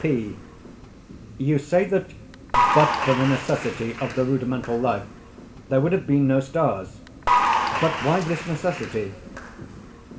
P. You say that "but for the necessity of the rudimental life" there would have been no stars. But why this necessity?